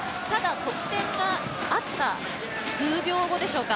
ただ得点があった数秒後でしょうか。